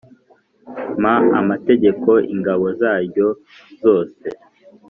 mpa amategeko ingabo zaryo zose.